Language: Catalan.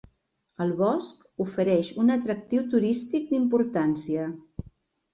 El bosc ofereix un atractiu turístic d'importància.